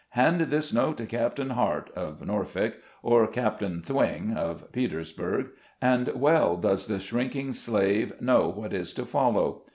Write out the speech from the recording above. " Hand this note to Captain Heart," (of Norfolk), or "Cap tain Thwing," (of Petersburg) — and well does the shrinking slave know what is to follow.